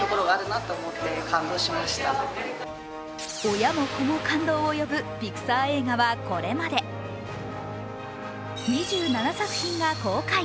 親も子も感動を呼ぶピクサー映画はこれまで２７作品が公開。